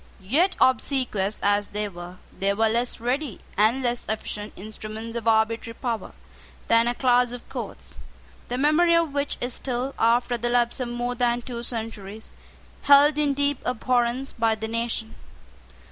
Yet, obsequious as they were, they were less ready and less efficient instruments of arbitrary power than a class of courts, the memory of which is still, after the lapse of more than two centuries, held in deep abhorrence by the nation.